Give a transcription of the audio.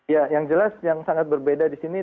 ya yang jelas yang sangat berbeda di sini